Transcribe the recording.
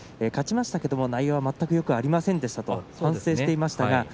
勝ちましたけれども内容は全く力がありませんでしたと反省していました。